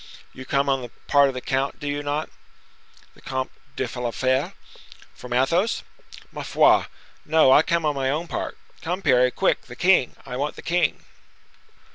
"You come on the part of the count, do you not?" "The Comte de la Fere?" "From Athos?" "Ma foi! no; I come on my own part. Come, Parry, quick! The king—I want the king."